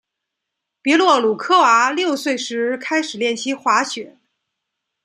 别洛鲁科娃六岁时开始练习滑雪。